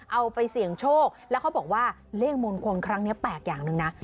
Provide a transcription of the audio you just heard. เอาไปเสี่ยงโชคแล้วเขาบอกว่าเลขมงคลครั้งนี้แปลกอย่างหนึ่งนะ